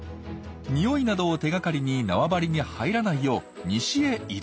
においなどを手がかりに縄張りに入らないよう西へ移動。